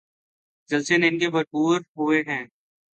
جلسے ان کے بھرپور ہوئے ہیں۔